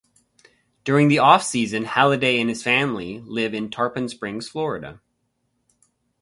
During the offseason, Halladay and his family live in Tarpon Springs, Florida.